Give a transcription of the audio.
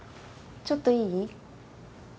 ちょっといい？